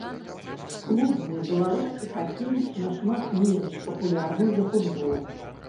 Клубны беларускі хакей нашмат менш папулярны за футбол.